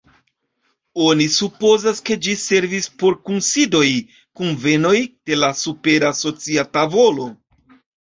Oni supozas, ke ĝi servis por kunsidoj, kunvenoj de la supera socia tavolo.